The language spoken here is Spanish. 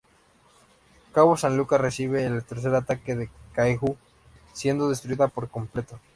Cabo San Lucas recibe el tercer ataque de Kaiju, siendo destruida por completo.